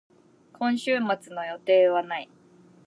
今週末の予定はない。